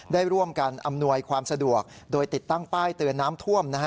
ได้ร่วมกันอำนวยความสะดวกโดยติดตั้งป้ายเตือนน้ำท่วม